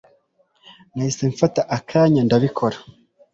nahise mfata akanya ndabikora